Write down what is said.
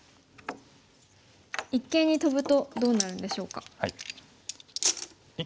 一間にトブとどうなるんでしょうか。